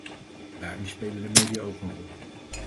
Daarin spelen de media ook een rol.